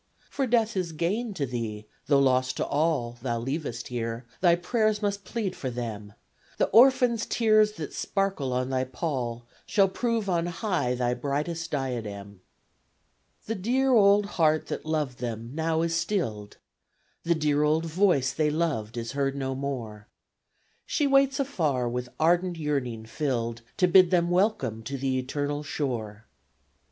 For death is gain to thee, tho' loss to all Thou leavest here. Thy prayers must plead for them. The orphans' tears that sparkle on thy pall Shall prove on high thy brightest diadem. The dear old heart that loved them now is stilled, The dear old voice they loved is heard no more; She waits afar with ardent yearning filled To bid them welcome to the eternal shore!